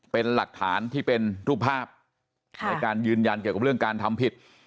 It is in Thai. เป็นหลักฐานที่เป็นรูปภาพในการยืนยันเกี่ยวกับเรื่องการทำผิด